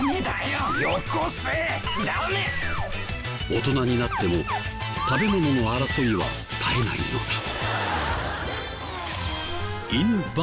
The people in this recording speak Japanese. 大人になっても食べ物の争いは絶えないのだ。